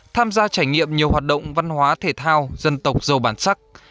tham gia trải nghiệm nhiều hoạt động văn hóa thể thao dân tộc giàu bản sắc